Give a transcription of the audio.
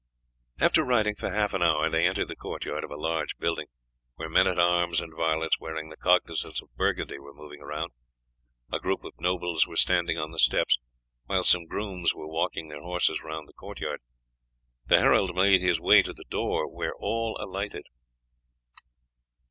After riding for half an hour they entered the court yard of a large building, where men at arms and varlets wearing the cognizance of Burgundy were moving about, a group of nobles were standing on the steps, while some grooms were walking their horses round the court yard. The herald made his way to the door, and here all alighted.